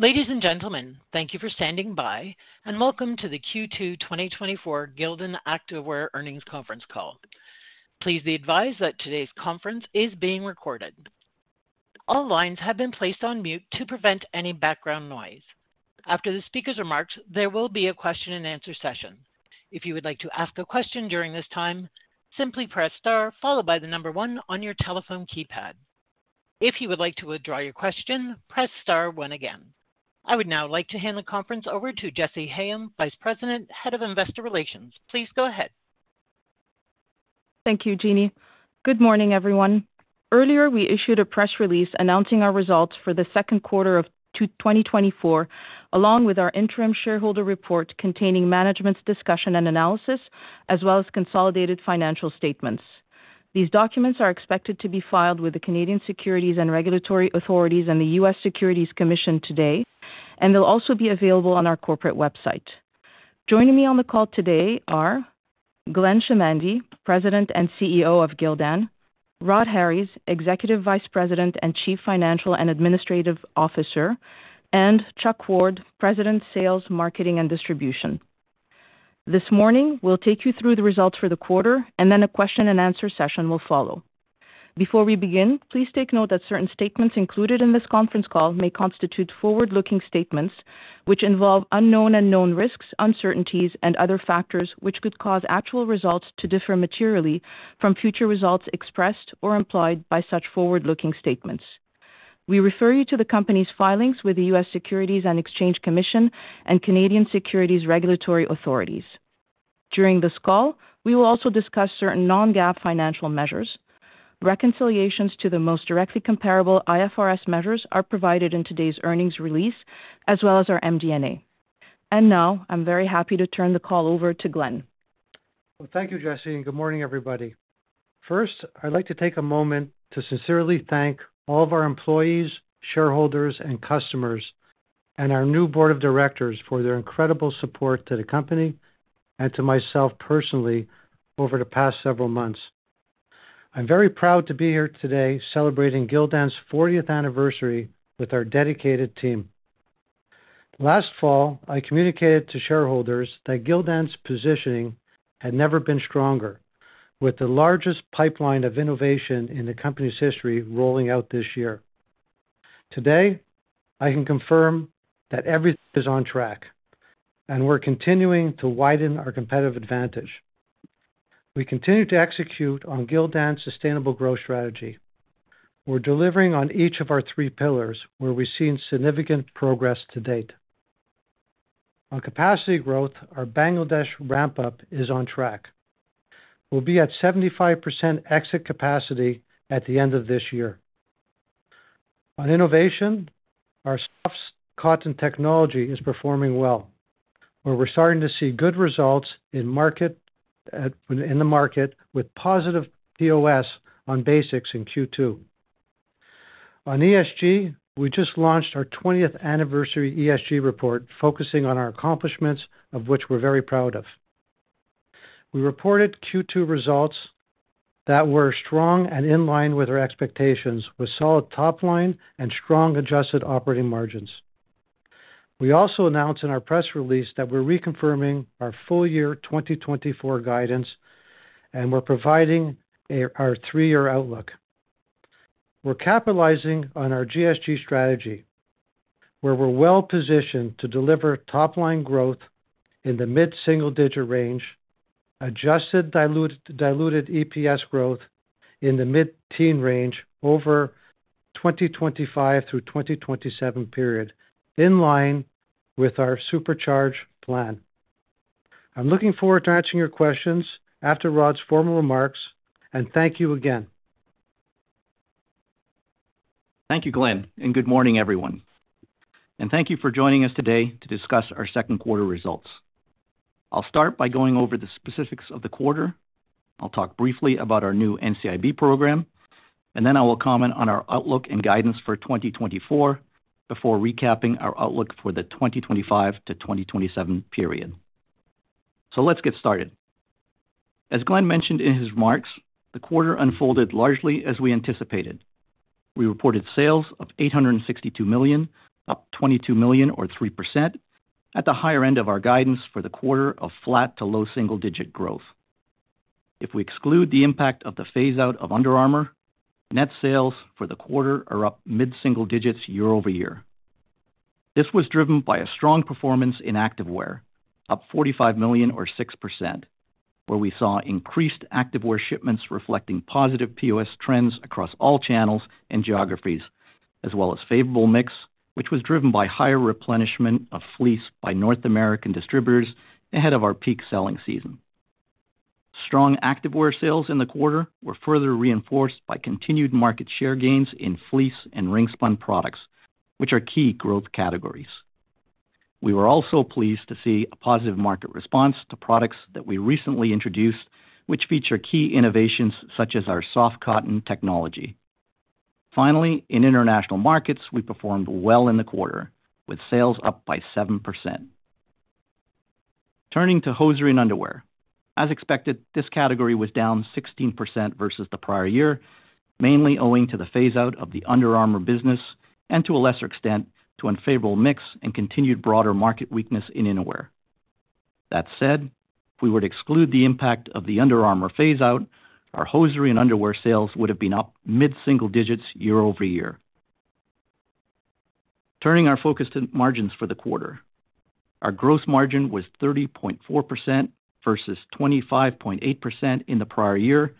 Ladies and gentlemen, thank you for standing by, and welcome to the Q2 2024 Gildan Activewear Earnings Conference Call. Please be advised that today's conference is being recorded. All lines have been placed on mute to prevent any background noise. After the speakers are finished, there will be a question-and-answer session. If you would like to ask a question during this time, simply press star followed by the number one on your telephone keypad. If you would like to withdraw your question, press star two again. I would now like to hand the conference over to Jessy Hayem, Vice President, Head of Investor Relations. Please go ahead. Thank you, Jeannie. Good morning, everyone. Earlier, we issued a press release announcing our results for the second quarter of 2024, along with our interim shareholder report containing management's discussion and analysis, as well as consolidated financial statements. These documents are expected to be filed with the Canadian Securities and Regulatory Authorities and the U.S. Securities and Exchange Commission today, and they'll also be available on our corporate website. Joining me on the call today are Glenn Chamandy, President and CEO of Gildan; Rhodri Harries, Executive Vice President and Chief Financial and Administrative Officer; and Chuck Ward, President, Sales, Marketing, and Distribution. This morning, we'll take you through the results for the quarter, and then a question-and-answer session will follow. Before we begin, please take note that certain statements included in this conference call may constitute forward-looking statements, which involve unknown and known risks, uncertainties, and other factors which could cause actual results to differ materially from future results expressed or implied by such forward-looking statements. We refer you to the company's filings with the U.S. Securities and Exchange Commission and Canadian Securities and Regulatory Authorities. During this call, we will also discuss certain non-GAAP financial measures. Reconciliations to the most directly comparable IFRS measures are provided in today's earnings release, as well as our MD&A. And now, I'm very happy to turn the call over to Glenn. Well, thank you, Jessy. Good morning, everybody. First, I'd like to take a moment to sincerely thank all of our employees, shareholders, and customers, and our new board of directors for their incredible support to the company and to myself personally over the past several months. I'm very proud to be here today celebrating Gildan's 40th anniversary with our dedicated team. Last fall, I communicated to shareholders that Gildan's positioning had never been stronger, with the largest pipeline of innovation in the company's history rolling out this year. Today, I can confirm that everything is on track, and we're continuing to widen our competitive advantage. We continue to execute on Gildan's sustainable growth strategy. We're delivering on each of our three pillars, where we've seen significant progress to date. On capacity growth, our Bangladesh ramp-up is on track. We'll be at 75% exit capacity at the end of this year. On innovation, our Soft Cotton Technology is performing well, where we're starting to see good results in the market with positive POS on basics in Q2. On ESG, we just launched our 20th anniversary ESG report, focusing on our accomplishments, of which we're very proud of. We reported Q2 results that were strong and in line with our expectations, with solid top line and strong adjusted operating margins. We also announced in our press release that we're reconfirming our full-year 2024 guidance, and we're providing our three-year outlook. We're capitalizing on our GSG strategy, where we're well-positioned to deliver top-line growth in the mid-single-digit range, adjusted diluted EPS growth in the mid-teen range over the 2025 through 2027 period, in line with our supercharge plan. I'm looking forward to answering your questions after Rhodri's formal remarks, and thank you again. Thank you, Glenn, and good morning, everyone. Thank you for joining us today to discuss our second quarter results. I'll start by going over the specifics of the quarter. I'll talk briefly about our new NCIB program, and then I will comment on our outlook and guidance for 2024 before recapping our outlook for the 2025 - 2027 period. So let's get started. As Glenn mentioned in his remarks, the quarter unfolded largely as we anticipated. We reported sales of $862 million, up $22 million, or 3%, at the higher end of our guidance for the quarter of flat to low single-digit growth. If we exclude the impact of the phase-out of Under Armour, net sales for the quarter are up mid-single digits year-over-year. This was driven by a strong performance in Activewear, up $45 million, or 6%, where we saw increased Activewear shipments reflecting positive POS trends across all channels and geographies, as well as favorable mix, which was driven by higher replenishment of fleece by North American distributors ahead of our peak selling season. Strong Activewear sales in the quarter were further reinforced by continued market share gains in fleece and ring spun products, which are key growth categories. We were also pleased to see a positive market response to products that we recently introduced, which feature key innovations such as our Soft Cotton Technology. Finally, in international markets, we performed well in the quarter, with sales up by 7%. Turning to Hosiery and Underwear. As expected, this category was down 16% versus the prior year, mainly owing to the phase-out of the Under Armour business and, to a lesser extent, to unfavorable mix and continued broader market weakness in underwear. That said, if we were to exclude the impact of the Under Armour phase-out, our Hsiery and underwear sales would have been up mid-single digits year-over-year. Turning our focus to margins for the quarter. Our gross margin was 30.4% / 25.8% in the prior year,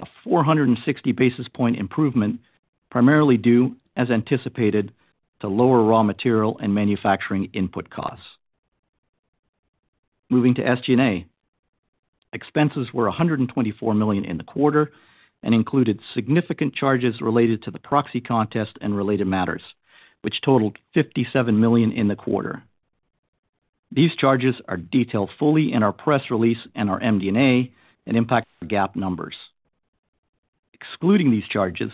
a 460 basis point improvement primarily due, as anticipated, to lower raw material and manufacturing input costs. Moving to SG&A, expenses were $124 million in the quarter and included significant charges related to the proxy contest and related matters, which totaled $57 million in the quarter. These charges are detailed fully in our press release and our MD&A and impact our GAAP numbers. Excluding these charges,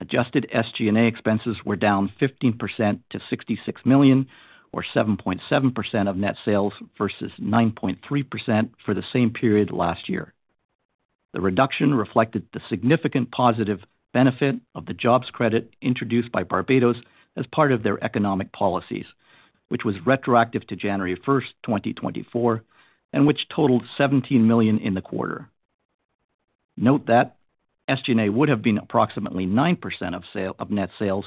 adjusted SG&A expenses were down 15% to $66 million, or 7.7% of net sales versus 9.3% for the same period last year. The reduction reflected the significant positive benefit of the jobs credit introduced by Barbados as part of their economic policies, which was retroactive to January 1, 2024, and which totaled $17 million in the quarter. Note that SG&A would have been approximately 9% of net sales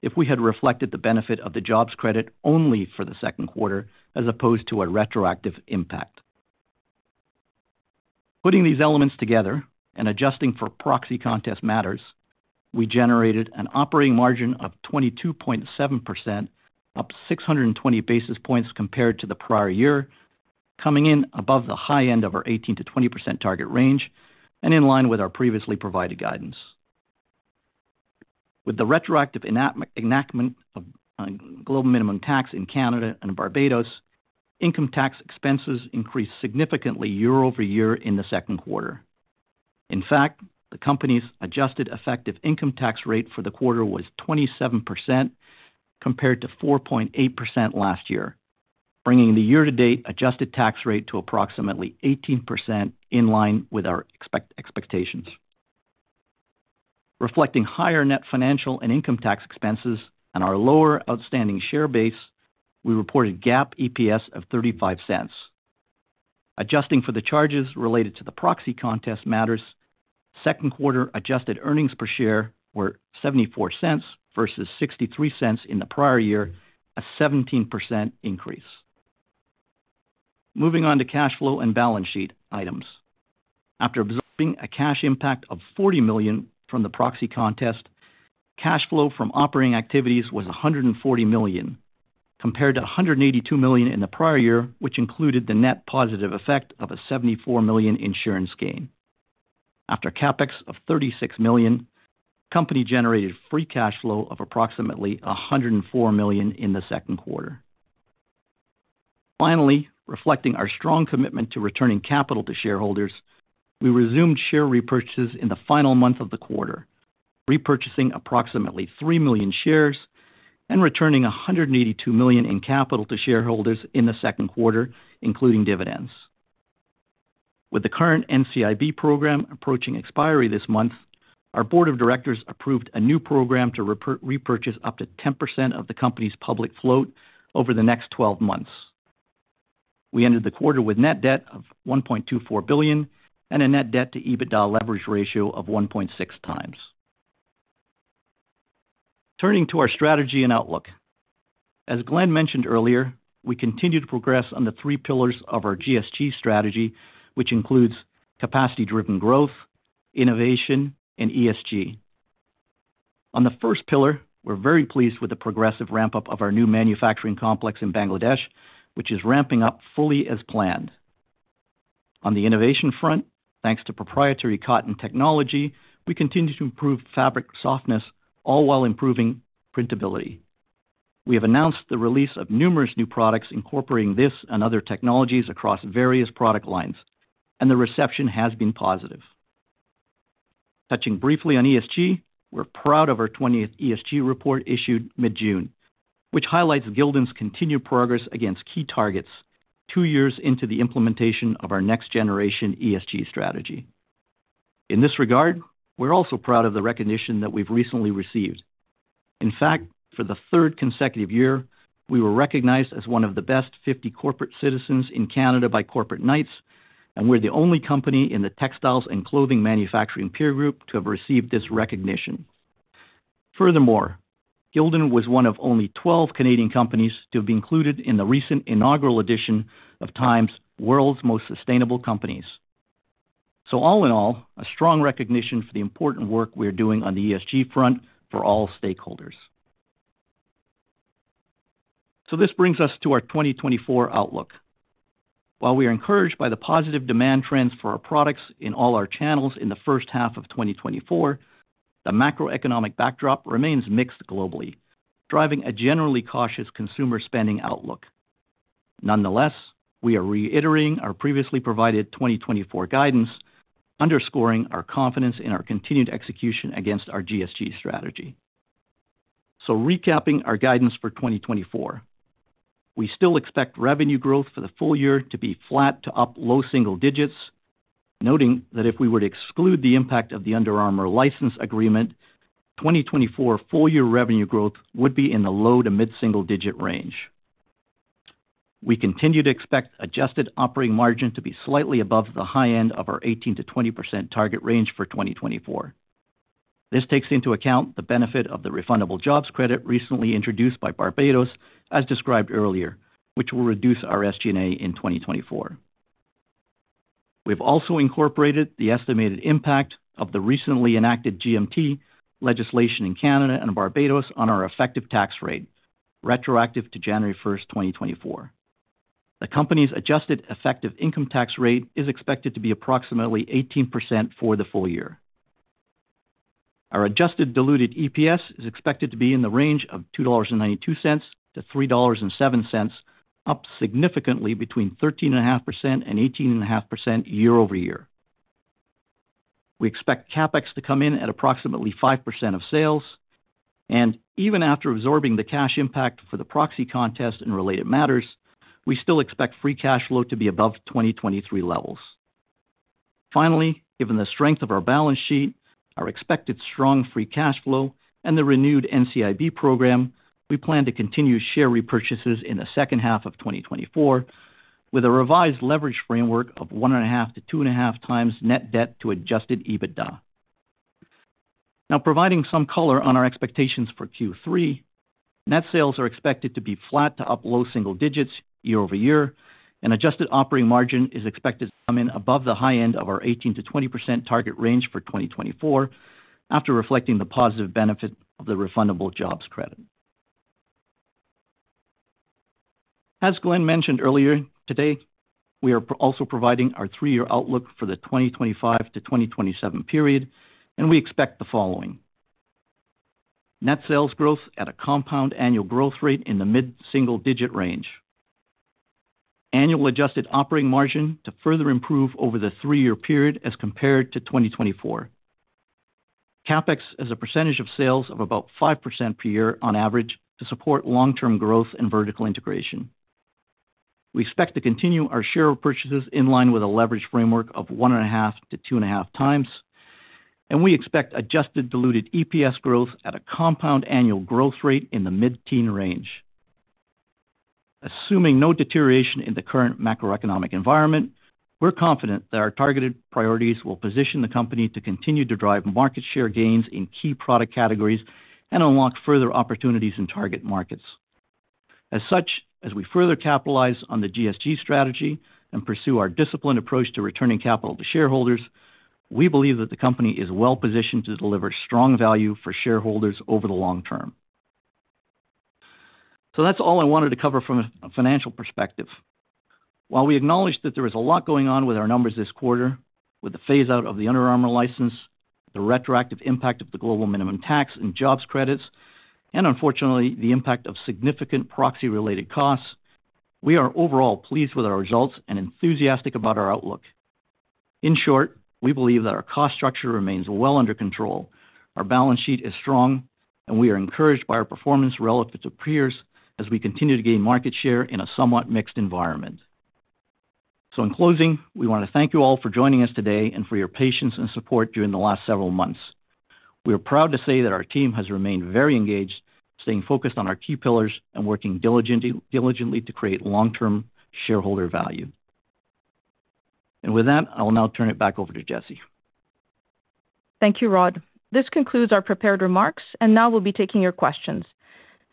if we had reflected the benefit of the jobs credit only for the second quarter, as opposed to a retroactive impact. Putting these elements together and adjusting for proxy contest matters, we generated an operating margin of 22.7%, up 620 basis points compared to the prior year, coming in above the high end of our 18%-20% target range, and in line with our previously provided guidance. With the retroactive enactment of global minimum tax in Canada and Barbados, income tax expenses increased significantly year-over-year in the second quarter. In fact, the company's adjusted effective income tax rate for the quarter was 27% compared to 4.8% last year, bringing the year-to-date adjusted tax rate to approximately 18% in line with our expectations. Reflecting higher net financial and income tax expenses and our lower outstanding share base, we reported GAAP EPS of $0.35. Adjusting for the charges related to the proxy contest matters, second quarter adjusted earnings per share were $0.74 versus $0.63 in the prior year, a 17% increase. Moving on to cash flow and balance sheet items. After absorbing a cash impact of $40 million from the proxy contest, cash flow from operating activities was $140 million, compared to $182 million in the prior year, which included the net positive effect of a $74 million insurance gain. After CapEx of $36 million, the company generated free cash flow of approximately $104 million in the second quarter. Finally, reflecting our strong commitment to returning capital to shareholders, we resumed share repurchases in the final month of the quarter, repurchasing approximately 3 million shares and returning $182 million in capital to shareholders in the second quarter, including dividends. With the current NCIB program approaching expiry this month, our board of directors approved a new program to repurchase up to 10% of the company's public float over the next 12 months. We ended the quarter with net debt of $1.24 billion and a net debt-to-EBITDA leverage ratio of 1.6x. Turning to our strategy and outlook. As Glenn mentioned earlier, we continue to progress on the three pillars of our GSG strategy, which includes capacity-driven growth, innovation, and ESG. On the first pillar, we're very pleased with the progressive ramp-up of our new manufacturing complex in Bangladesh, which is ramping up fully as planned. On the innovation front, thanks to proprietary cotton technology, we continue to improve fabric softness, all while improving printability. We have announced the release of numerous new products incorporating this and other technologies across various product lines, and the reception has been positive. Touching briefly on ESG, we're proud of our 20th ESG report issued mid-June, which highlights Gildan's continued progress against key targets, two years into the implementation of our next-generation ESG strategy. In this regard, we're also proud of the recognition that we've recently received. In fact, for the third consecutive year, we were recognized as one of the best 50 corporate citizens in Canada by Corporate Knights, and we're the only company in the textiles and clothing manufacturing peer group to have received this recognition. Furthermore, Gildan was one of only 12 Canadian companies to have been included in the recent inaugural edition of TIME's World's Most Sustainable Companies. So all in all, a strong recognition for the important work we are doing on the ESG front for all stakeholders. So this brings us to our 2024 outlook. While we are encouraged by the positive demand trends for our products in all our channels in the first half of 2024, the macroeconomic backdrop remains mixed globally, driving a generally cautious consumer spending outlook. Nonetheless, we are reiterating our previously provided 2024 guidance, underscoring our confidence in our continued execution against our GSG strategy. Recapping our guidance for 2024, we still expect revenue growth for the full year to be flat to up low single digits, noting that if we were to exclude the impact of the Under Armour license agreement, 2024 full-year revenue growth would be in the low to mid-single digit range. We continue to expect adjusted operating margin to be slightly above the high end of our 18%-20% target range for 2024. This takes into account the benefit of the refundable jobs credit recently introduced by Barbados, as described earlier, which will reduce our SG&A in 2024. We've also incorporated the estimated impact of the recently enacted GMT legislation in Canada and Barbados on our effective tax rate, retroactive to January 1, 2024. The company's adjusted effective income tax rate is expected to be approximately 18% for the full year. Our adjusted diluted EPS is expected to be in the range of $2.92-$3.07, up significantly between 13.5% and 18.5% year-over-year. We expect CapEx to come in at approximately 5% of sales, and even after absorbing the cash impact for the proxy contest and related matters, we still expect free cash flow to be above 2023 levels. Finally, given the strength of our balance sheet, our expected strong free cash flow, and the renewed NCIB program, we plan to continue share repurchases in the second half of 2024 with a revised leverage framework of 1.5x-2.5x net debt to adjusted EBITDA. Now, providing some color on our expectations for Q3, net sales are expected to be flat to up low single digits year over year, and adjusted operating margin is expected to come in above the high end of our 18%-20% target range for 2024, after reflecting the positive benefit of the refundable jobs credit. As Glenn mentioned earlier today, we are also providing our three-year outlook for the 2025 - 2027 period, and we expect the following: net sales growth at a compound annual growth rate in the mid-single digit range. Annual adjusted operating margin to further improve over the three-year period as compared to 2024. CapEx as a percentage of sales of about 5% per year on average to support long-term growth and vertical integration. We expect to continue our share repurchases in line with a leverage framework of 1.5-2.5 times, and we expect adjusted diluted EPS growth at a compound annual growth rate in the mid-teen range. Assuming no deterioration in the current macroeconomic environment, we're confident that our targeted priorities will position the company to continue to drive market share gains in key product categories and unlock further opportunities in target markets. As such, as we further capitalize on the GSG strategy and pursue our disciplined approach to returning capital to shareholders, we believe that the company is well positioned to deliver strong value for shareholders over the long term. So that's all I wanted to cover from a financial perspective. While we acknowledge that there was a lot going on with our numbers this quarter, with the phase-out of the Under Armour license, the retroactive impact of the Global Minimum Tax and jobs credits, and unfortunately, the impact of significant proxy-related costs, we are overall pleased with our results and enthusiastic about our outlook. In short, we believe that our cost structure remains well under control, our balance sheet is strong, and we are encouraged by our performance relative to peers as we continue to gain market share in a somewhat mixed environment. So in closing, we want to thank you all for joining us today and for your patience and support during the last several months. We are proud to say that our team has remained very engaged, staying focused on our key pillars and working diligently to create long-term shareholder value. With that, I will now turn it back over to Jessy. Thank you, Rhod. This concludes our prepared remarks, and now we'll be taking your questions.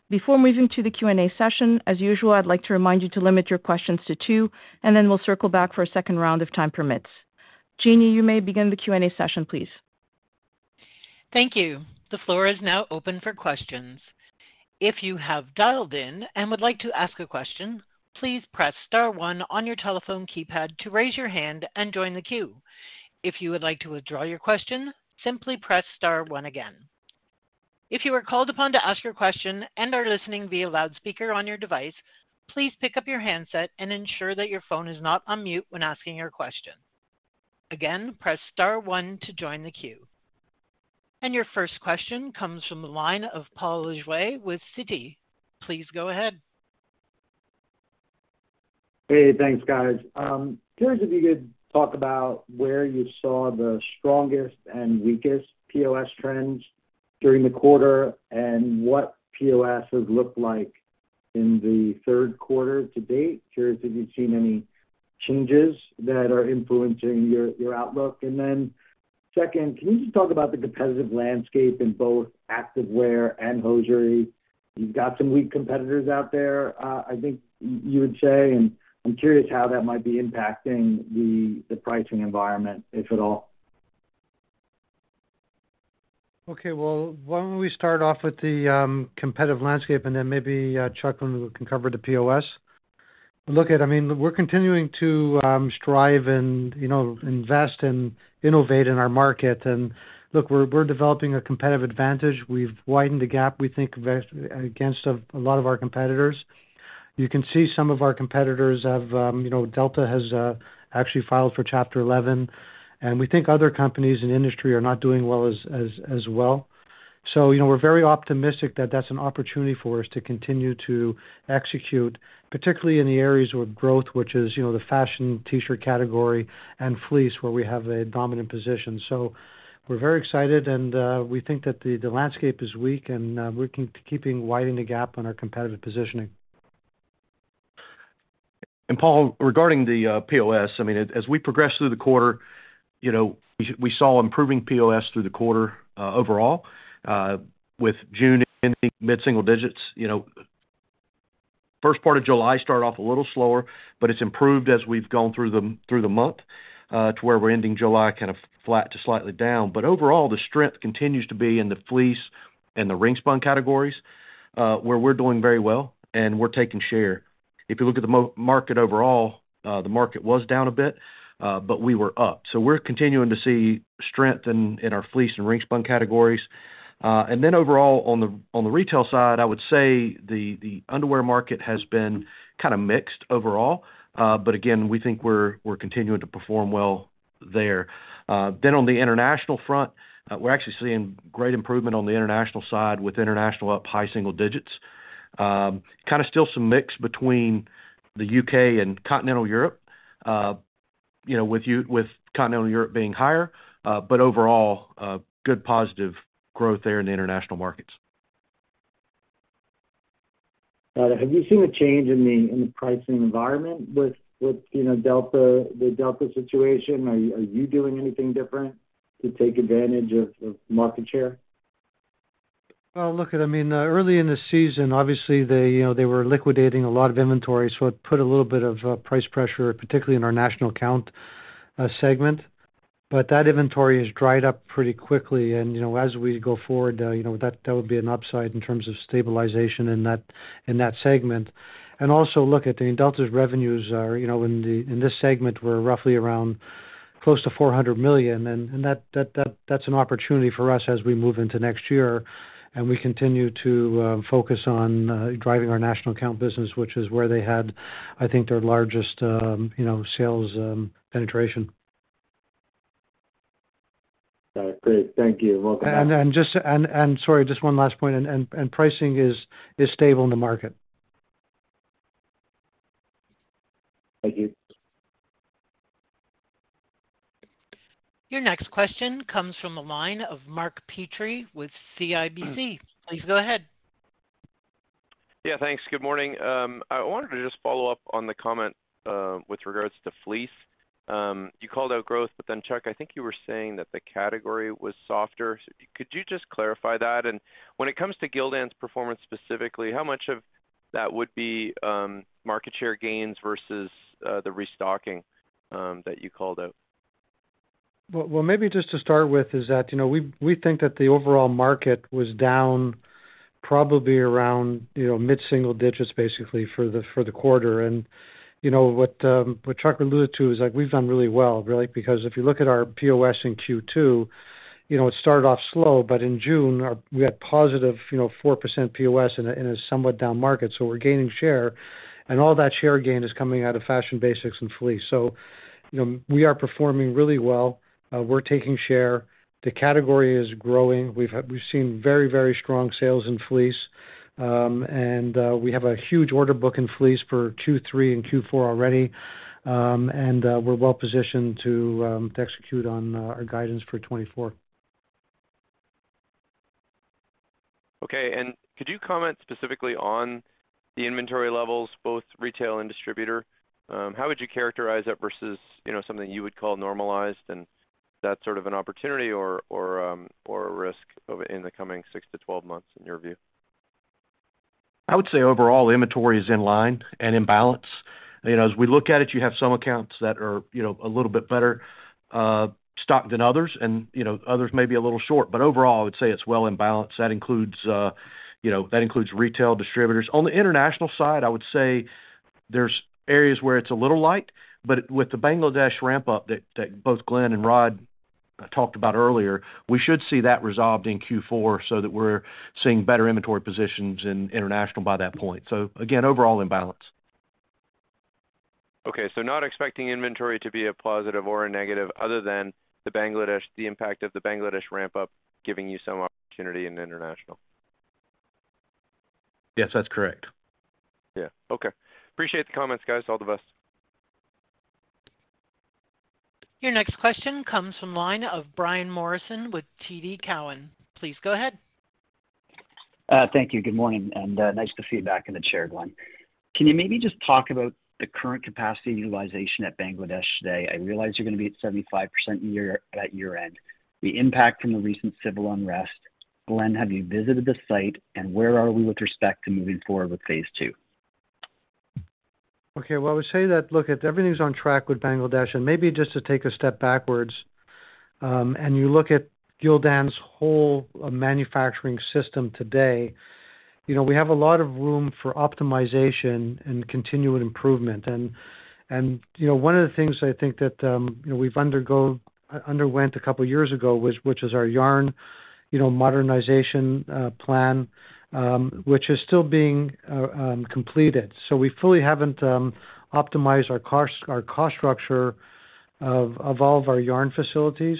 Before moving to the Q&A session, as usual, I'd like to remind you to limit your questions to two, and then we'll circle back for a second round if time permits. Jeanie, you may begin the Q&A session, please. Thank you. The floor is now open for questions. If you have dialed in and would like to ask a question, please press star one on your telephone keypad to raise your hand and join the queue. If you would like to withdraw your question, simply press star one again. If you are called upon to ask your question and are listening via loudspeaker on your device, please pick up your handset and ensure that your phone is not on mute when asking your question. Again, press star one to join the queue. And your first question comes from the line of Paul Lejuez with Citi. Please go ahead. Hey, thanks, guys. Curious if you could talk about where you saw the strongest and weakest POS trends during the quarter and what POS has looked like in the third quarter to date. Curious if you've seen any changes that are influencing your outlook. And then second, can you just talk about the competitive landscape in both Activewear and Hosiery? You've got some weak competitors out there, I think you would say, and I'm curious how that might be impacting the pricing environment, if at all. Okay, well, why don't we start off with the competitive landscape, and then maybe Chuck, when we can cover the POS? Look at, I mean, we're continuing to strive and invest and innovate in our market. And look, we're developing a competitive advantage. We've widened the gap, we think, against a lot of our competitors. You can see some of our competitors have, Delta has actually filed for Chapter 11, and we think other companies in industry are not doing well as well. So we're very optimistic that that's an opportunity for us to continue to execute, particularly in the areas where growth, which is the fashion t-shirt category and fleece, where we have a dominant position. So we're very excited, and we think that the landscape is weak, and we're keeping widening the gap on our competitive positioning. Paul, regarding the POS, I mean, as we progress through the quarter, we saw improving POS through the quarter overall, with June ending mid-single digits. First part of July started off a little slower, but it's improved as we've gone through the month to where we're ending July kind of flat to slightly down. Overall, the strength continues to be in the fleece and the ring spun categories, where we're doing very well, and we're taking share. If you look at the market overall, the market was down a bit, but we were up. We're continuing to see strength in our fleece and ring spun categories. Then overall, on the retail side, I would say the underwear market has been kind of mixed overall, but again, we think we're continuing to perform well there. Then on the international front, we're actually seeing great improvement on the international side with international up high single digits. Kind of still some mix between the UK and Continental Europe, with Continental Europe being higher, but overall, good positive growth there in the international markets. Have you seen a change in the pricing environment with the Delta situation? Are you doing anything different to take advantage of market share? Well, look, I mean, early in the season, obviously, they were liquidating a lot of inventory, so it put a little bit of price pressure, particularly in our national account segment. But that inventory has dried up pretty quickly, and as we go forward, that would be an upside in terms of stabilization in that segment. And also, look, I think Delta's revenues in this segment were roughly around close to $400 million, and that's an opportunity for us as we move into next year, and we continue to focus on driving our national account business, which is where they had, I think, their largest sales penetration. All right, great. Thank you. Welcome back. And sorry, just one last point, and pricing is stable in the market. Thank you. Your next question comes from the line of Mark Petrie with CIBC. Please go ahead. Yeah, thanks. Good morning. I wanted to just follow up on the comment with regards to fleece. You called out growth, but then Chuck, I think you were saying that the category was softer. Could you just clarify that? And when it comes to Gildan's performance specifically, how much of that would be market share gains versus the restocking that you called out? Well, maybe just to start with is that we think that the overall market was down probably around mid-single digits, basically, for the quarter. And what Chuck alluded to is we've done really well, really, because if you look at our POS in Q2, it started off slow, but in June, we had positive 4% POS in a somewhat down market, so we're gaining share. And all that share gain is coming out of fashion basics and fleece. So we are performing really well. We're taking share. The category is growing. We've seen very, very strong sales in fleece, and we have a huge order book in fleece for Q3 and Q4 already, and we're well positioned to execute on our guidance for 2024. Okay, and could you comment specifically on the inventory levels, both retail and distributor? How would you characterize it versus something you would call normalized and that sort of an opportunity or a risk in the coming 6-12 months, in your view? I would say overall inventory is in line and in balance. As we look at it, you have some accounts that are a little bit better stocked than others, and others may be a little short, but overall, I would say it's well in balance. That includes retail distributors. On the international side, I would say there's areas where it's a little light, but with the Bangladesh ramp-up that both Glenn and Rod talked about earlier, we should see that resolved in Q4 so that we're seeing better inventory positions in international by that point. So again, overall in balance. Okay, so not expecting inventory to be a positive or a negative other than the impact of the Bangladesh ramp-up giving you some opportunity in international. Yes, that's correct. Yeah. Okay. Appreciate the comments, guys. All the best. Your next question comes from the line of Brian Morrison with TD Cowen. Please go ahead. Thank you. Good morning, and nice to see you back in the chair, Glenn. Can you maybe just talk about the current capacity utilization at Bangladesh today? I realize you're going to be at 75% at year-end. The impact from the recent civil unrest. Glenn, have you visited the site, and where are we with respect to moving forward with phase two? Okay, well, I would say that, look, everything's on track with Bangladesh, and maybe just to take a step backwards, and you look at Gildan's whole manufacturing system today, we have a lot of room for optimization and continued improvement. And one of the things I think that we've undergone a couple of years ago, which is our yarn modernization plan, which is still being completed. So we fully haven't optimized our cost structure of all of our yarn facilities.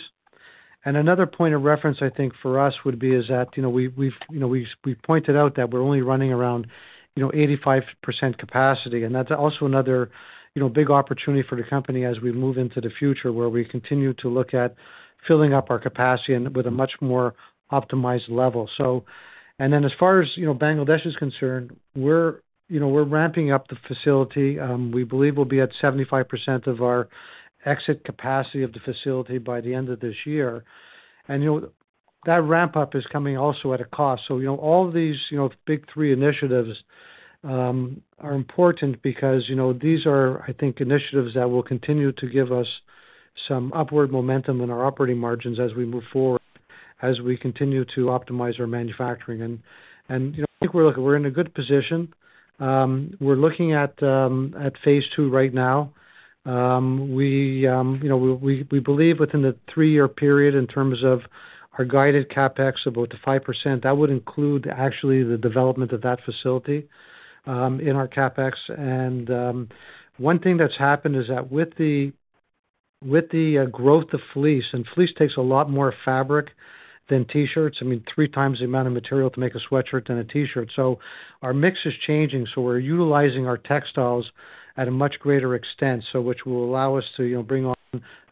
And another point of reference, I think, for us would be is that we've pointed out that we're only running around 85% capacity, and that's also another big opportunity for the company as we move into the future where we continue to look at filling up our capacity with a much more optimized level. And then as far as Bangladesh is concerned, we're ramping up the facility. We believe we'll be at 75% of our exit capacity of the facility by the end of this year. That ramp-up is coming also at a cost. So all these big three initiatives are important because these are, I think, initiatives that will continue to give us some upward momentum in our operating margins as we move forward, as we continue to optimize our manufacturing. I think we're in a good position. We're looking at phase two right now. We believe within the 3-year period, in terms of our guided CapEx of about 5%, that would include actually the development of that facility in our CapEx. One thing that's happened is that with the growth of fleece, and fleece takes a lot more fabric than t-shirts, I mean, 3 times the amount of material to make a sweatshirt than a t-shirt. So our mix is changing, so we're utilizing our textiles at a much greater extent, which will allow us to bring on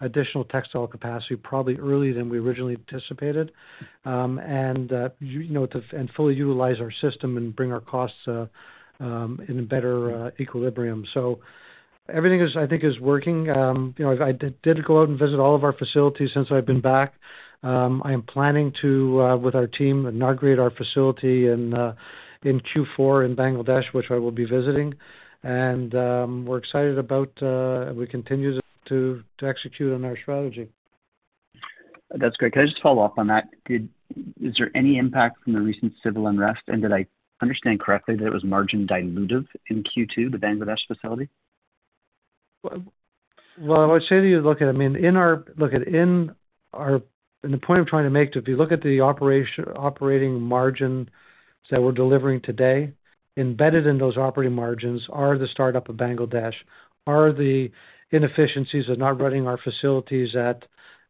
additional textile capacity probably earlier than we originally anticipated and fully utilize our system and bring our costs in a better equilibrium. So everything, I think, is working. I did go out and visit all of our facilities since I've been back. I am planning to, with our team, inaugurate our facility in Q4 in Bangladesh, which I will be visiting. And we're excited about we continue to execute on our strategy. That's great. Can I just follow up on that? Is there any impact from the recent civil unrest? And did I understand correctly that it was margin dilutive in Q2, the Bangladesh facility? Well, I would say to you, look, I mean, look, in the point I'm trying to make, if you look at the operating margins that we're delivering today, embedded in those operating margins are the startup of Bangladesh, are the inefficiencies of not running our facilities at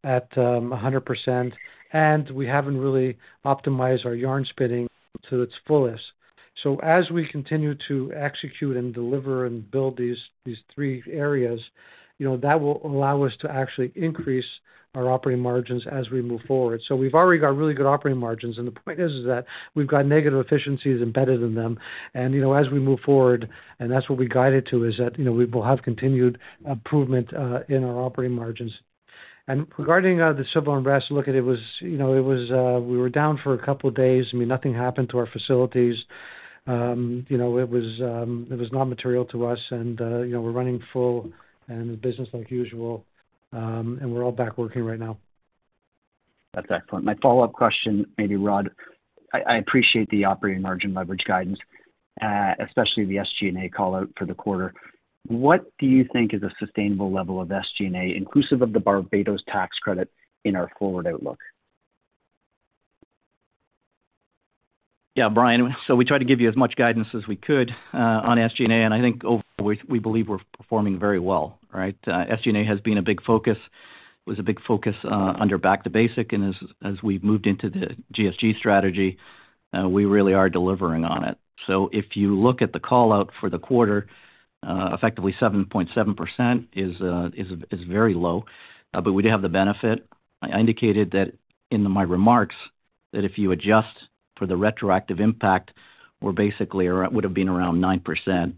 100%, and we haven't really optimized our yarn spinning to its fullest. So as we continue to execute and deliver and build these three areas, that will allow us to actually increase our operating margins as we move forward. So we've already got really good operating margins, and the point is that we've got negative efficiencies embedded in them. And as we move forward, and that's what we guided to, is that we will have continued improvement in our operating margins. And regarding the civil unrest, look, it was we were down for a couple of days. I mean, nothing happened to our facilities. It was not material to us, and we're running full and business as usual, and we're all back working right now. That's excellent. My follow-up question, maybe Rod, I appreciate the operating margin leverage guidance, especially the SG&A callout for the quarter. What do you think is a sustainable level of SG&A, inclusive of the Barbados tax credit in our forward outlook? Yeah, Brian, so we tried to give you as much guidance as we could on SG&A, and I think overall, we believe we're performing very well, right? SG&A has been a big focus. It was a big focus under Back to Basics, and as we've moved into the GSG strategy, we really are delivering on it. So if you look at the callout for the quarter, effectively 7.7% is very low, but we do have the benefit. I indicated that in my remarks that if you adjust for the retroactive impact, we're basically or it would have been around 9%. And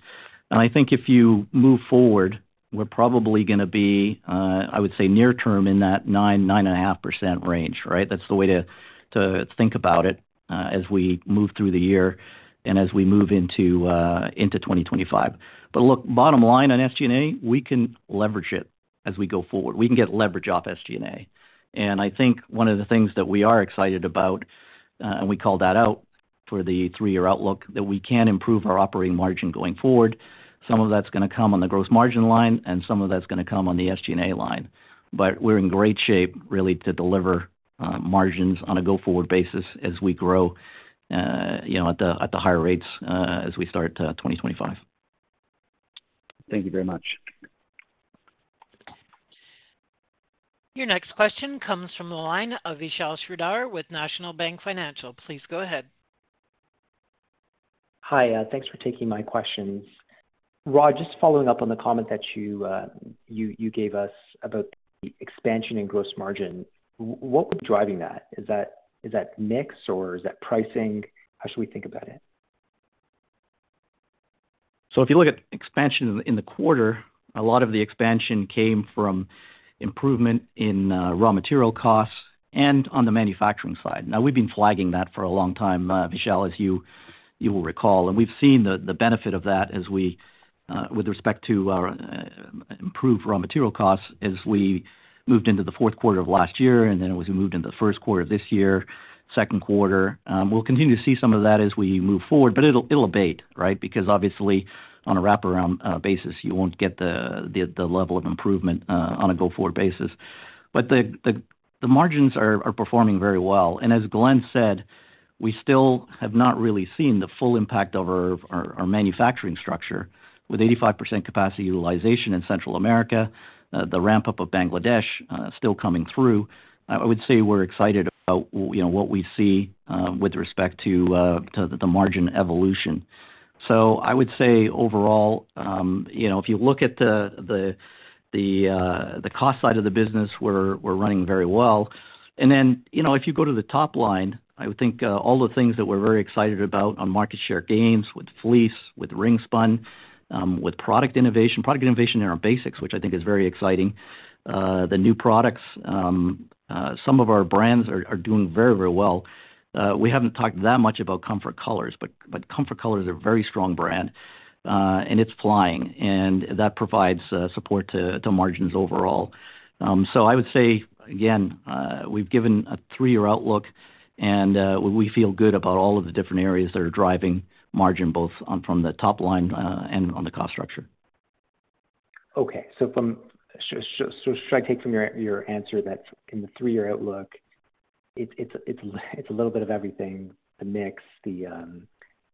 I think if you move forward, we're probably going to be, I would say, near term in that 9%-9.5% range, right? That's the way to think about it as we move through the year and as we move into 2025. But look, bottom line on SG&A, we can leverage it as we go forward. We can get leverage off SG&A. And I think one of the things that we are excited about, and we call that out for the three-year outlook, that we can improve our operating margin going forward. Some of that's going to come on the gross margin line, and some of that's going to come on the SG&A line. But we're in great shape, really, to deliver margins on a go-forward basis as we grow at the higher rates as we start 2025. Thank you very much. Your next question comes from the line of Vishal Shreedhar with National Bank Financial. Please go ahead. Hi, thanks for taking my questions. Rod, just following up on the comment that you gave us about the expansion in gross margin, what was driving that? Is that mix or is that pricing? How should we think about it? So if you look at expansion in the quarter, a lot of the expansion came from improvement in raw material costs and on the manufacturing side. Now, we've been flagging that for a long time, Vishal, as you will recall. We've seen the benefit of that with respect to improved raw material costs as we moved into the fourth quarter of last year, and then as we moved into the first quarter of this year, second quarter. We'll continue to see some of that as we move forward, but it'll abate, right? Because obviously, on a wraparound basis, you won't get the level of improvement on a go-forward basis. But the margins are performing very well. And as Glenn said, we still have not really seen the full impact of our manufacturing structure with 85% capacity utilization in Central America, the ramp-up of Bangladesh still coming through. I would say we're excited about what we see with respect to the margin evolution. So I would say overall, if you look at the cost side of the business, we're running very well. And then if you go to the top line, I would think all the things that we're very excited about on market share gains with fleece, with ring spun, with product innovation. Product innovation in our basics, which I think is very exciting. The new products, some of our brands are doing very, very well. We haven't talked that much about Comfort Colors, but Comfort Colors is a very strong brand, and it's flying, and that provides support to margins overall. So I would say, again, we've given a three-year outlook, and we feel good about all of the different areas that are driving margin both from the top line and on the cost structure. Okay. So should I take from your answer that in the three-year outlook, it's a little bit of everything, the mix, the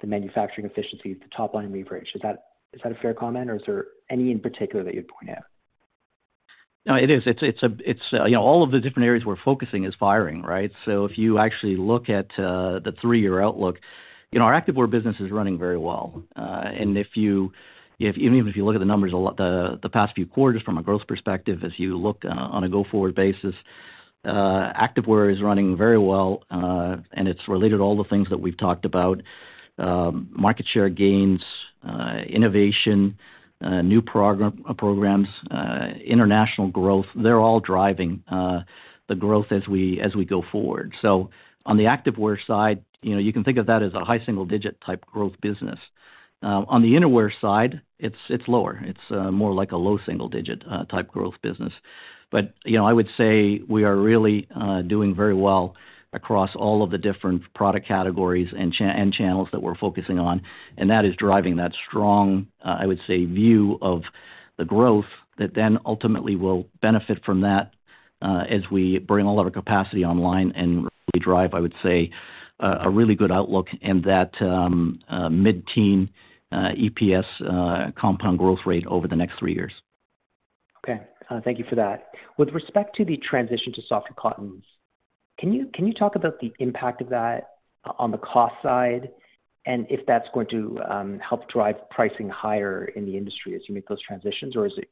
manufacturing efficiencies, the top line leverage? Is that a fair comment, or is there any in particular that you'd point out? No, it is. All of the different areas we're focusing is firing, right? So if you actually look at the three-year outlook, our activewear business is running very well. And even if you look at the numbers the past few quarters from a growth perspective, as you look on a go-forward basis, activewear is running very well, and it's related to all the things that we've talked about: market share gains, innovation, new programs, international growth. They're all driving the growth as we go forward. So on the activewear side, you can think of that as a high single-digit type growth business. On the innerwear side, it's lower. It's more like a low single-digit type growth business. But I would say we are really doing very well across all of the different product categories and channels that we're focusing on, and that is driving that strong, I would say, view of the growth that then ultimately will benefit from that as we bring all of our capacity online and really drive, I would say, a really good outlook in that mid-teen EPS compound growth rate over the next three years. Okay. Thank you for that. With respect to the transition to soft cottons, can you talk about the impact of that on the cost side and if that's going to help drive pricing higher in the industry as you make those transitions, or is it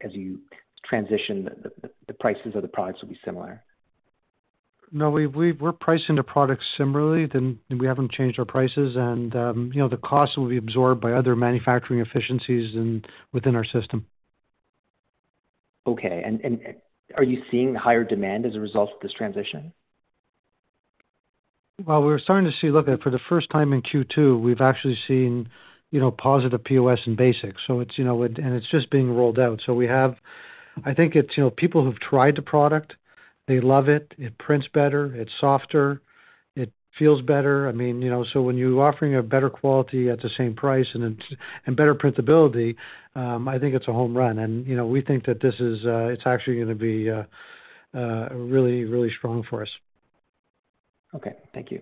as you transition, the prices of the products will be similar? No, we're pricing the products similarly. We haven't changed our prices, and the costs will be absorbed by other manufacturing efficiencies within our system. Okay. And are you seeing higher demand as a result of this transition? Well, we're starting to see, look, for the first time in Q2, we've actually seen positive POS and basics. And it's just being rolled out. So I think it's people who've tried the product. They love it. It prints better. It's softer. It feels better. I mean, so when you're offering a better quality at the same price and better printability, I think it's a home run. And we think that it's actually going to be really, really strong for us. Okay. Thank you.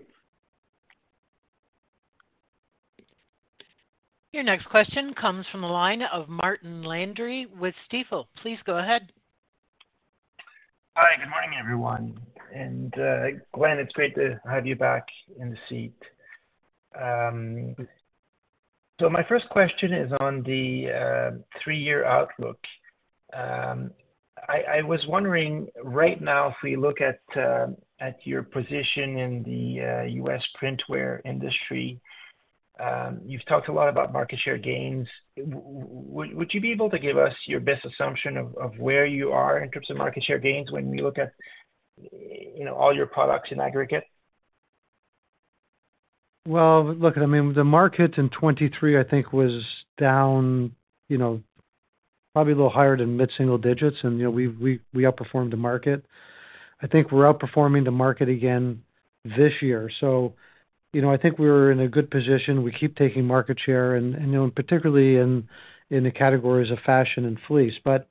Your next question comes from the line of Martin Landry with Stifel. Please go ahead. Hi. Good morning, everyone. And Glenn, it's great to have you back in the seat. So my first question is on the three-year outlook. I was wondering right now, if we look at your position in the U.S. printwear industry, you've talked a lot about market share gains. Would you be able to give us your best assumption of where you are in terms of market share gains when we look at all your products in aggregate? Well, look, I mean, the market in 2023, I think, was down probably a little higher than mid-single digits, and we outperformed the market. I think we're outperforming the market again this year. So I think we're in a good position. We keep taking market share, particularly in the categories of fashion and fleece. But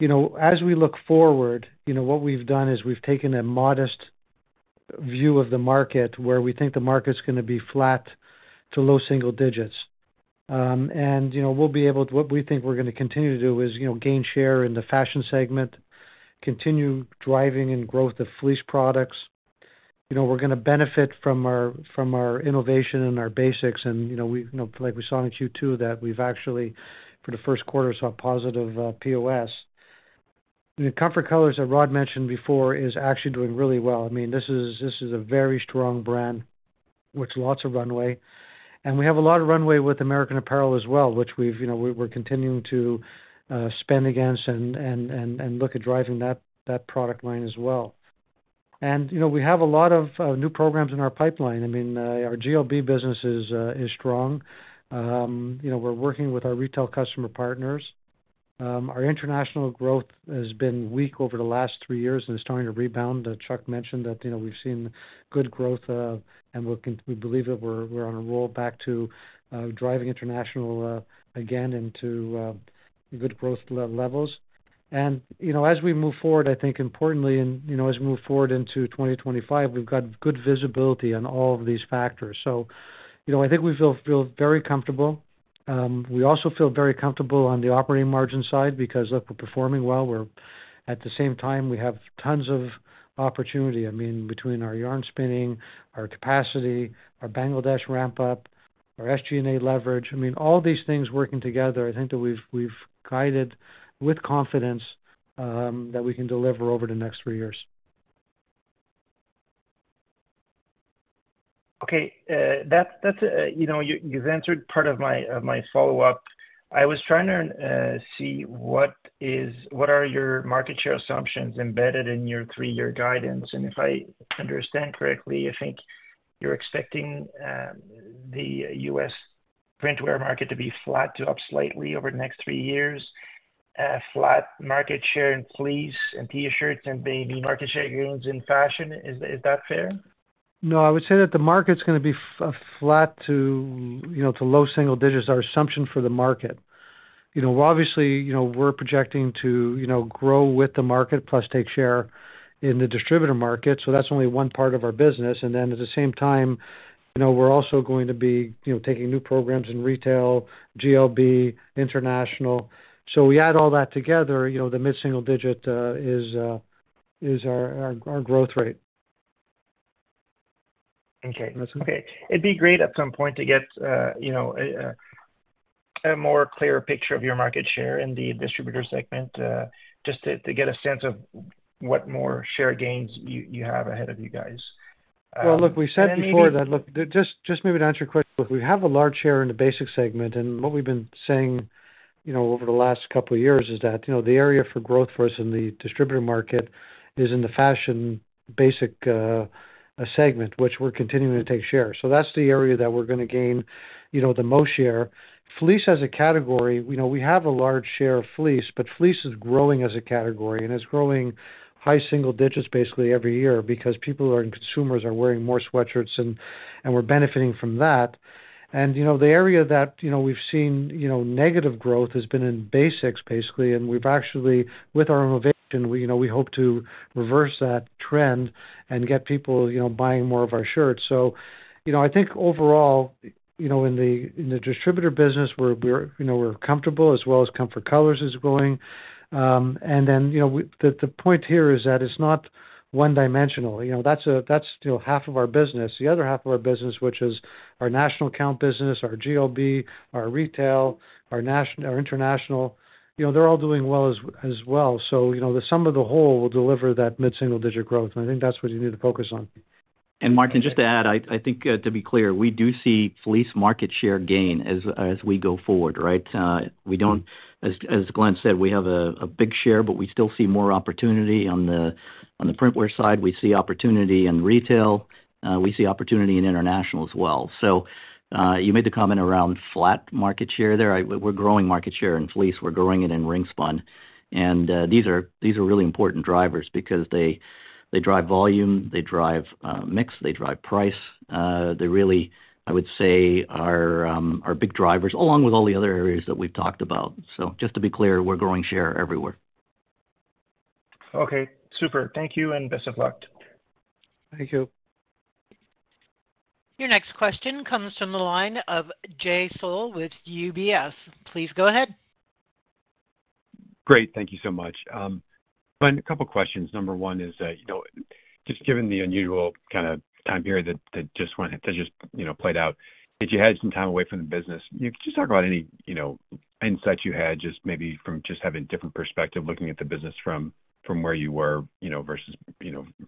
as we look forward, what we've done is we've taken a modest view of the market where we think the market's going to be flat to low single digits. We'll be able to what we think we're going to continue to do is gain share in the fashion segment, continue driving and growth of fleece products. We're going to benefit from our innovation and our basics. Like we saw in Q2, that we've actually, for the first quarter, saw positive POS. Comfort Colors, as Rod mentioned before, is actually doing really well. I mean, this is a very strong brand with lots of runway. We have a lot of runway with American Apparel as well, which we're continuing to spend against and look at driving that product line as well. We have a lot of new programs in our pipeline. I mean, our GLB business is strong. We're working with our retail customer partners. Our international growth has been weak over the last three years and is starting to rebound. Chuck mentioned that we've seen good growth, and we believe that we're on a roll back to driving international again into good growth levels. And as we move forward, I think importantly, and as we move forward into 2025, we've got good visibility on all of these factors. So I think we feel very comfortable. We also feel very comfortable on the operating margin side because, look, we're performing well. At the same time, we have tons of opportunity, I mean, between our yarn spinning, our capacity, our Bangladesh ramp-up, our SG&A leverage. I mean, all these things working together, I think that we've guided with confidence that we can deliver over the next three years. Okay. You've answered part of my follow-up. I was trying to see what are your market share assumptions embedded in your three-year guidance. If I understand correctly, I think you're expecting the U.S. printwear market to be flat to up slightly over the next three years, flat market share in fleece and t-shirts and maybe market share gains in fashion. Is that fair? No, I would say that the market's going to be flat to low single digits, our assumption for the market. Obviously, we're projecting to grow with the market, plus take share in the distributor market. So that's only one part of our business. And then at the same time, we're also going to be taking new programs in retail, GLB, international. So we add all that together, the mid-single digit is our growth rate. Okay. Okay. It'd be great at some point to get a more clear picture of your market share in the distributor segment just to get a sense of what more share gains you have ahead of you guys. Well, look, we said before that, look, just maybe to answer your question, look, we have a large share in the basic segment. And what we've been saying over the last couple of years is that the area for growth for us in the distributor market is in the fashion basic segment, which we're continuing to take share. So that's the area that we're going to gain the most share. Fleece as a category, we have a large share of fleece, but fleece is growing as a category, and it's growing high single digits basically every year because people and consumers are wearing more sweatshirts, and we're benefiting from that. The area that we've seen negative growth has been in basics basically. With our innovation, we hope to reverse that trend and get people buying more of our shirts. I think overall, in the distributor business, we're comfortable as well as Comfort Colors is growing. Then the point here is that it's not one-dimensional. That's half of our business. The other half of our business, which is our national account business, our GLB, our retail, our international, they're all doing well as well. The sum of the whole will deliver that mid-single digit growth. I think that's what you need to focus on. Martin, just to add, I think to be clear, we do see fleece market share gain as we go forward, right? As Glenn said, we have a big share, but we still see more opportunity on the printwear side. We see opportunity in retail. We see opportunity in international as well. So you made the comment around flat market share there. We're growing market share in fleece. We're growing it in ring spun. And these are really important drivers because they drive volume, they drive mix, they drive price. They really, I would say, are big drivers along with all the other areas that we've talked about. So just to be clear, we're growing share everywhere. Okay. Super. Thank you and best of luck. Thank you. Your next question comes from the line of Jay Sole with UBS. Please go ahead. Great. Thank you so much. Glenn, a couple of questions. Number one is, just given the unusual kind of time period that just went to just played out, if you had some time away from the business, just talk about any insights you had just maybe from just having a different perspective looking at the business from where you were versus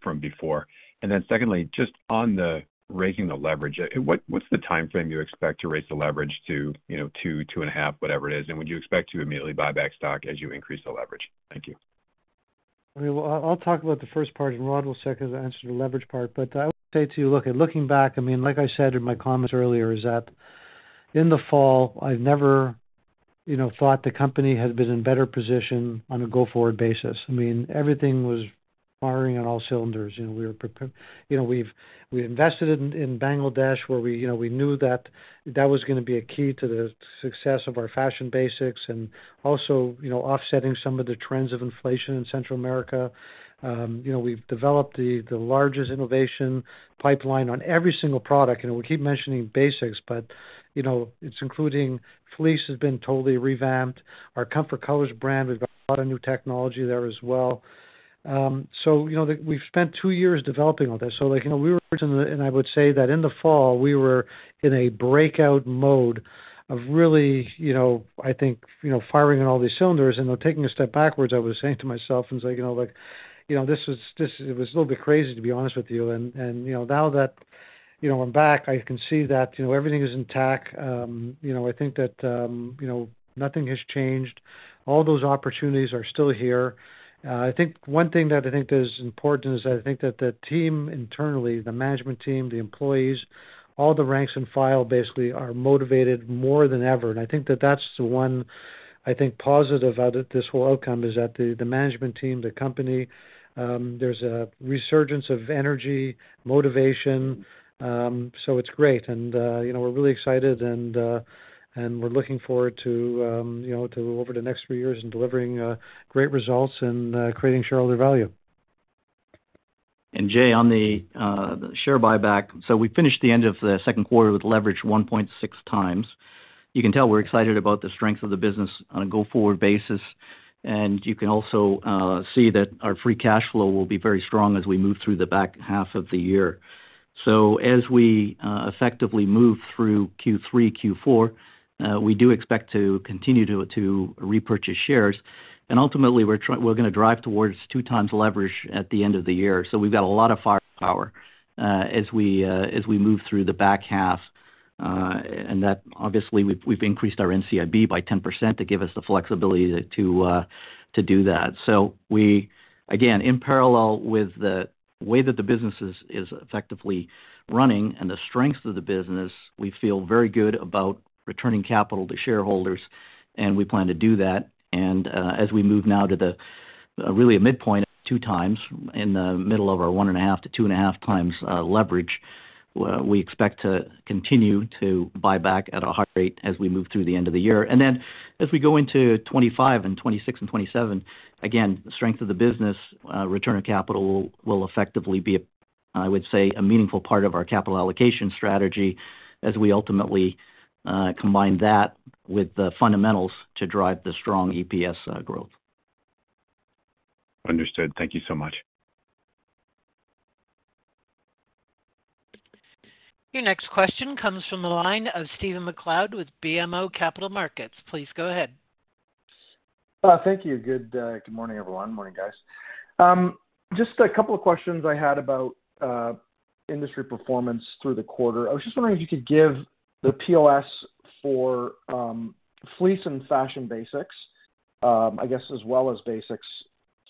from before. And then secondly, just on raising the leverage, what's the timeframe you expect to raise the leverage 2 - 2.5, whatever it is? And would you expect to immediately buy back stock as you increase the leverage? Thank you. I'll talk about the first part, and Rod will second answer the leverage part. But I would say to you, looking back, I mean, like I said in my comments earlier, is that in the fall, I've never thought the company had been in a better position on a go-forward basis. I mean, everything was firing on all cylinders. We were prepared. We invested in Bangladesh where we knew that that was going to be a key to the success of our fashion basics and also offsetting some of the trends of inflation in Central America. We've developed the largest innovation pipeline on every single product. We keep mentioning basics, but it's including fleece has been totally revamped. Our Comfort Colors brand, we've got a lot of new technology there as well. So we've spent two years developing all this. So we were, and I would say that in the fall, we were in a breakout mode of really, I think, firing on all these cylinders. And taking a step backwards, I was saying to myself, and it's like, look, this was a little bit crazy, to be honest with you. And now that I'm back, I can see that everything is intact. I think that nothing has changed. All those opportunities are still here. I think one thing that I think is important is I think that the team internally, the management team, the employees, all the rank and file basically are motivated more than ever. And I think that that's the one, I think, positive out of this whole outcome is that the management team, the company, there's a resurgence of energy, motivation. So it's great. And we're really excited, and we're looking forward to over the next three years and delivering great results and creating shareholder value. And Jay, on the share buyback, so we finished the end of the second quarter with leverage 1.6x You can tell we're excited about the strength of the business on a go-forward basis. You can also see that our free cash flow will be very strong as we move through the back half of the year. As we effectively move through Q3, Q4, we do expect to continue to repurchase shares. Ultimately, we're going to drive towards 2x leverage at the end of the year. We've got a lot of firepower as we move through the back half. Obviously, we've increased our NCIB by 10% to give us the flexibility to do that. Again, in parallel with the way that the business is effectively running and the strength of the business, we feel very good about returning capital to shareholders, and we plan to do that. As we move now to really a midpoint, 2x in the middle of our 1.5x-2.5x leverage, we expect to continue to buy back at a high rate as we move through the end of the year. Then as we go into 2025 and 2026 and 2027, again, the strength of the business, return of capital will effectively be, I would say, a meaningful part of our capital allocation strategy as we ultimately combine that with the fundamentals to drive the strong EPS growth. Understood. Thank you so much. Your next question comes from the line of Stephen MacLeod with BMO Capital Markets. Please go ahead. Thank you. Good morning, everyone. Morning, guys. Just a couple of questions I had about industry performance through the quarter. I was just wondering if you could give the POS for fleece and fashion basics, I guess, as well as basics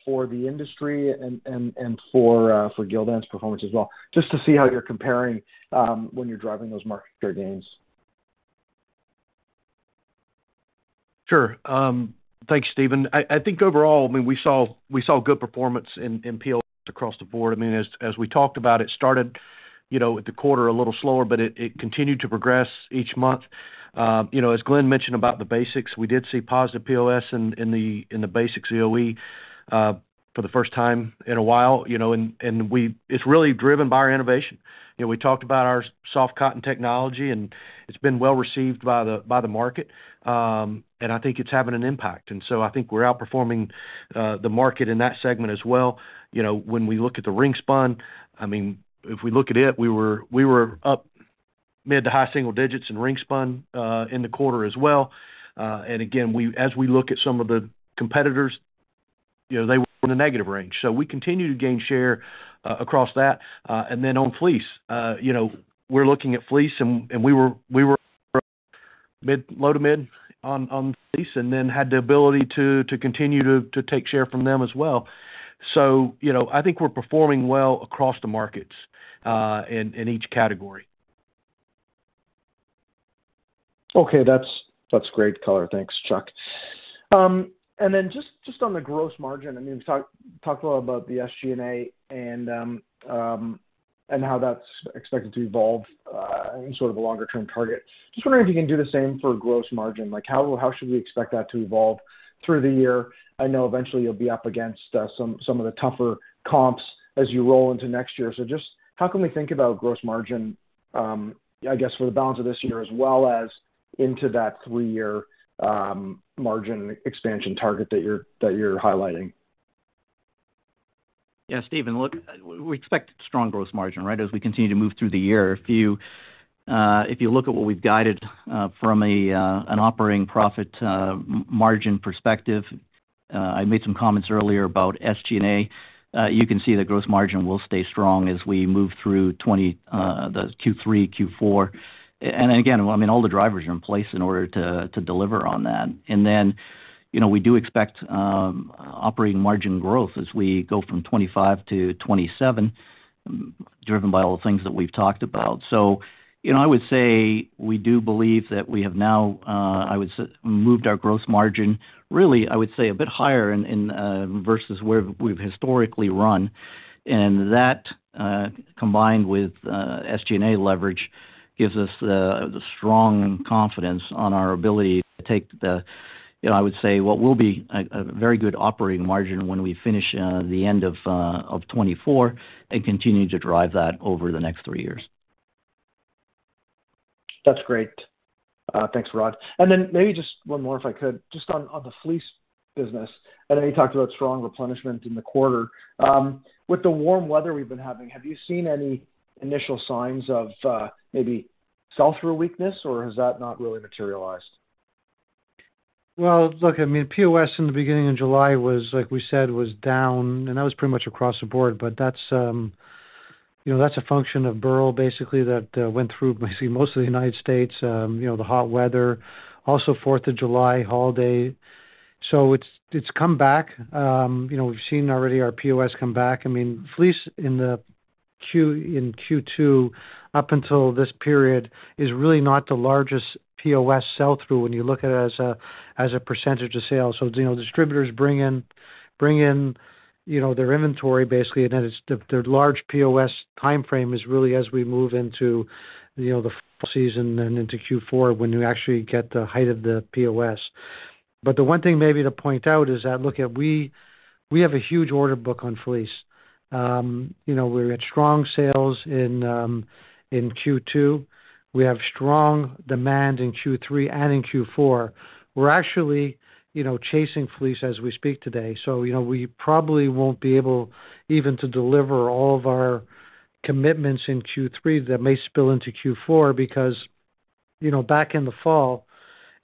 for the industry and for Gildan's performance as well, just to see how you're comparing when you're driving those market share gains. Sure. Thanks, Stephen. I think overall, I mean, we saw good performance in POS across the board. I mean, as we talked about, it started at the quarter a little slower, but it continued to progress each month. As Glenn mentioned about the basics, we did see positive POS in the basics EOE for the first time in a while. And it's really driven by our innovation. We talked about our Soft Cotton Technology, and it's been well received by the market. And I think it's having an impact. And so I think we're outperforming the market in that segment as well. When we look at the ring spun, I mean, if we look at it, we were up mid to high single digits in ring spun in the quarter as well. And again, as we look at some of the competitors, they were in the negative range. So we continue to gain share across that. And then on fleece, we're looking at fleece, and we were low to mid on fleece and then had the ability to continue to take share from them as well. So I think we're performing well across the markets in each category. Okay. That's great, caller. Thanks, Chuck. And then just on the gross margin, I mean, we talked a lot about the SG&A and how that's expected to evolve in sort of a longer-term target. Just wondering if you can do the same for gross margin. How should we expect that to evolve through the year? I know eventually you'll be up against some of the tougher comps as you roll into next year. So just how can we think about gross margin, I guess, for the balance of this year as well as into that three-year margin expansion target that you're highlighting? Yeah, Stephen, look, we expect strong gross margin, right, as we continue to move through the year. If you look at what we've guided from an operating profit margin perspective, I made some comments earlier about SG&A. You can see the gross margin will stay strong as we move through the Q3, Q4. And again, I mean, all the drivers are in place in order to deliver on that. And then we do expect operating margin growth as we go from 2025 - 2027, driven by all the things that we've talked about. So I would say we do believe that we have now, I would say, moved our gross margin, really, I would say, a bit higher versus where we've historically run. And that combined with SG&A leverage gives us the strong confidence on our ability to take the, I would say, what will be a very good operating margin when we finish the end of 2024 and continue to drive that over the next three years. That's great. Thanks, Rod. And then maybe just one more, if I could, just on the fleece business. I know you talked about strong replenishment in the quarter. With the warm weather we've been having, have you seen any initial signs of maybe sell-through weakness, or has that not really materialized? Well, look, I mean, POS in the beginning of July was, like we said, was down, and that was pretty much across the board. But that's a function of Beryl, basically, that went through most of the United States, the hot weather, also 4th of July, holiday. So it's come back. We've seen already our POS come back. I mean, fleece in Q2 up until this period is really not the largest POS sell-through when you look at it as a percentage of sales. So distributors bring in their inventory, basically, and then their large POS timeframe is really as we move into the fall season and into Q4 when you actually get the height of the POS. But the one thing maybe to point out is that, look, we have a huge order book on fleece. We're at strong sales in Q2. We have strong demand in Q3 and in Q4. We're actually chasing fleece as we speak today. So we probably won't be able even to deliver all of our commitments in Q3 that may spill into Q4 because back in the fall,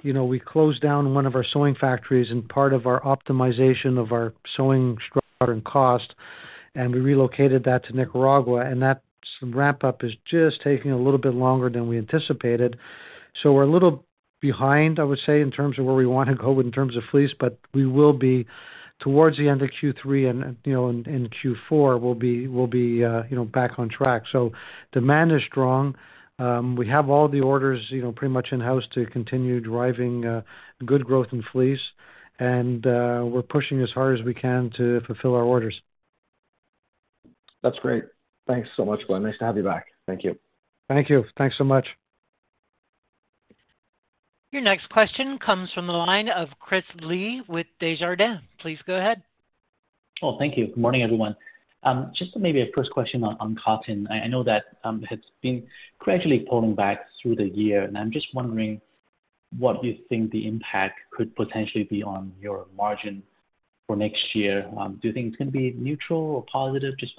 we closed down one of our sewing factories and part of our optimization of our sewing structure and cost, and we relocated that to Nicaragua. And that ramp-up is just taking a little bit longer than we anticipated. So we're a little behind, I would say, in terms of where we want to go in terms of fleece, but we will be towards the end of Q3 and in Q4, we'll be back on track. So demand is strong. We have all the orders pretty much in-house to continue driving good growth in fleece. And we're pushing as hard as we can to fulfill our orders. That's great. Thanks so much, Glenn. Nice to have you back. Thank you. Thank you. Thanks so much. Your next question comes from the line of Chris Li with Desjardins. Please go ahead. Oh, thank you. Good morning, everyone. Just maybe a first question on cotton. I know that it's been gradually falling back through the year, and I'm just wondering what you think the impact could potentially be on your margin for next year. Do you think it's going to be neutral or positive? Just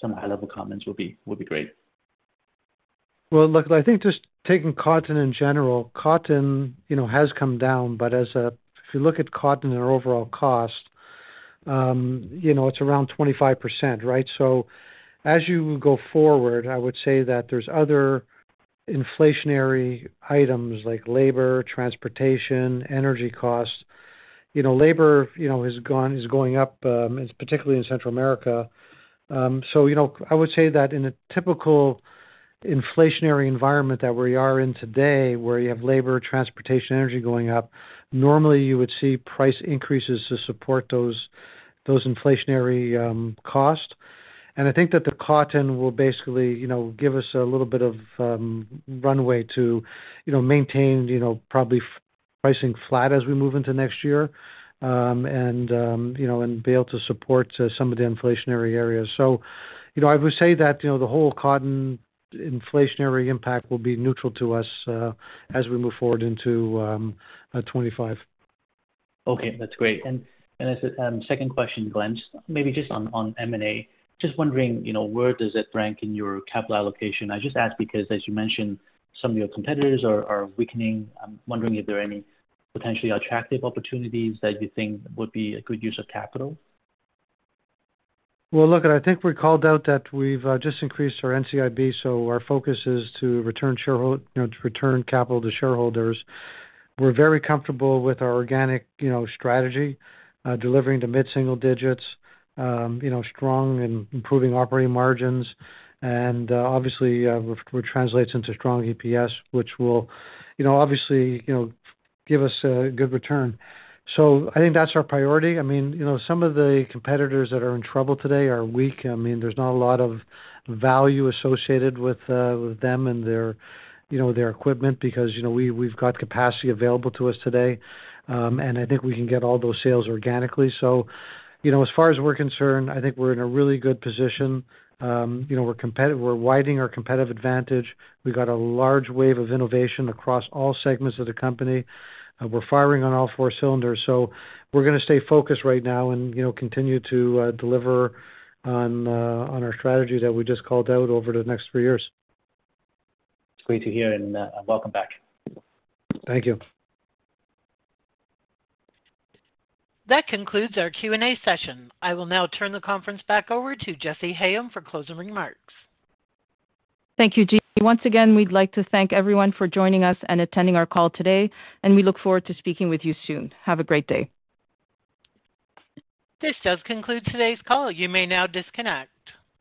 some high-level comments would be great. Well, look, I think just taking cotton in general, cotton has come down, but if you look at cotton and our overall cost, it's around 25%, right? So as you go forward, I would say that there's other inflationary items like labor, transportation, energy costs. Labor is going up, particularly in Central America. So I would say that in a typical inflationary environment that we are in today, where you have labor, transportation, energy going up, normally you would see price increases to support those inflationary costs. And I think that the cotton will basically give us a little bit of runway to maintain probably pricing flat as we move into next year and be able to support some of the inflationary areas. So I would say that the whole cotton inflationary impact will be neutral to us as we move forward into 2025. Okay. That's great. And second question, Glenn, maybe just on M&A. Just wondering, where does it rank in your capital allocation? I just ask because, as you mentioned, some of your competitors are weakening. I'm wondering if there are any potentially attractive opportunities that you think would be a good use of capital. Well, look, I think we called out that we've just increased our NCIB, so our focus is to return capital to shareholders. We're very comfortable with our organic strategy, delivering to mid-single digits, strong and improving operating margins. And obviously, which translates into strong EPS, which will obviously give us a good return. So I think that's our priority. I mean, some of the competitors that are in trouble today are weak. I mean, there's not a lot of value associated with them and their equipment because we've got capacity available to us today. And I think we can get all those sales organically. So as far as we're concerned, I think we're in a really good position. We're widening our competitive advantage. We've got a large wave of innovation across all segments of the company. We're firing on all four cylinders. We're going to stay focused right now and continue to deliver on our strategy that we just called out over the next three years. It's great to hear. Welcome back. Thank you. That concludes our Q&A session. I will now turn the conference back over to Jessy Hayem for closing remarks. Thank you, Jimmy. Once again, we'd like to thank everyone for joining us and attending our call today, and we look forward to speaking with you soon. Have a great day. This does conclude today's call. You may now disconnect.